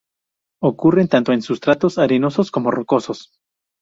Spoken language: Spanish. Ocurren tanto en sustratos arenosos como rocosos.